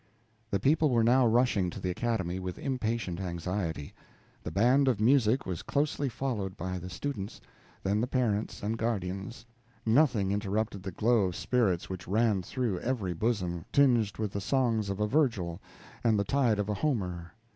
The people were now rushing to the Academy with impatient anxiety; the band of music was closely followed by the students; then the parents and guardians; nothing interrupted the glow of spirits which ran through every bosom, tinged with the songs of a Virgil and the tide of a Homer.